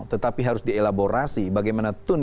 tetapi harus dielaborasi bagaimana tun